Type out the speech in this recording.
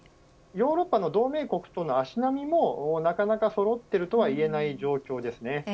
ヨーロッパの同盟国との足並みもなかなかそろっているとはいえない状況です。